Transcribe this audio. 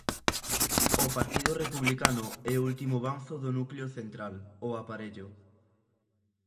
O Partido Republicano é o último banzo do núcleo central, "o aparello".